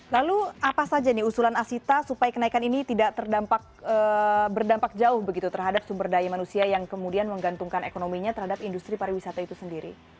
lalu apa saja nih usulan asita supaya kenaikan ini tidak berdampak jauh begitu terhadap sumber daya manusia yang kemudian menggantungkan ekonominya terhadap industri pariwisata itu sendiri